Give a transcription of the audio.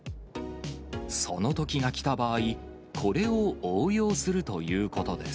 そのときが来た場合、これを応用するということです。